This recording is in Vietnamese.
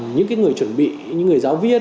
những cái người chuẩn bị những người giáo viên